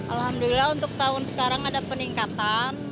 alhamdulillah untuk tahun sekarang ada peningkatan